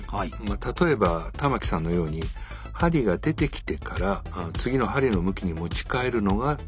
例えば玉木さんのように針が出てきてから次の針の向きに持ち替えるのが通常なんです。